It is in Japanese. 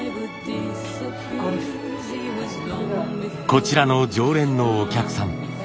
こちらの常連のお客さん。